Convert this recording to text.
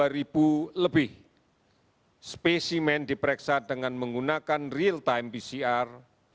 dua ribu lebih spesimen diperiksa dengan menggunakan real time pcr